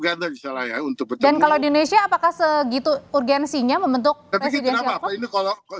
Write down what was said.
dan kalau di indonesia apakah segitu urgensinya membentuk presiden jokowi